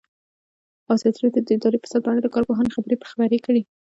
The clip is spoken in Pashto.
ازادي راډیو د اداري فساد په اړه د کارپوهانو خبرې خپرې کړي.